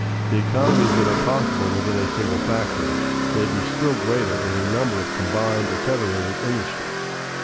_ The economies that are possible within a single factory may be still greater in a number of combined or federated industries.